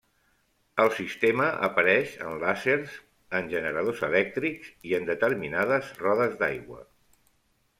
El sistema apareix en làsers, en generadors elèctrics i en determinades rodes d'aigua.